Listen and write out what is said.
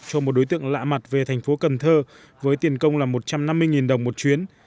cho một đối tượng lạ mặt về thành phố cần thơ với tiền công là một trăm năm mươi đồng một chuyến